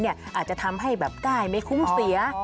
อาจจะทำให้แบบได้ไม่คุ้มเสีย